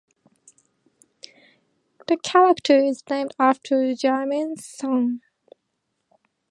The character is named after Germain's son.